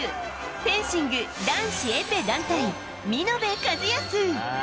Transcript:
フェンシング男子エペ団体見延和靖。